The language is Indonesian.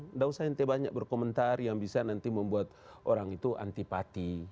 nggak usah nanti banyak berkomentar yang bisa nanti membuat orang itu antipati